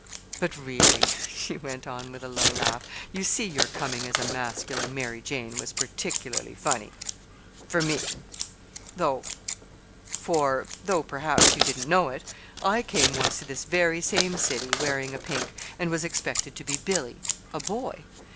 But, really," she went on with a low laugh, "you see your coming as a masculine 'Mary Jane' was particularly funny for me; for, though perhaps you didn't know it, I came once to this very same city, wearing a pink, and was expected to be Billy, a boy.